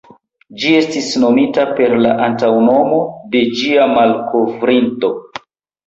Ĝi estis nomita per la antaŭnomo de ĝia malkovrinto.